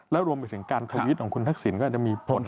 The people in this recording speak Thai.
แล้วรวมไปถึงการทวิตของคุณทักษิณก็อาจจะมีผล